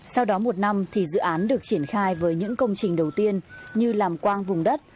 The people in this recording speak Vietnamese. sau đó một năm thì dự án được triển khai với những công trình đầu tiên như làm quang vùng đất